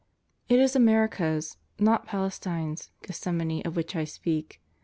It is America's, not Palestine's, Gethsemani of which I speak.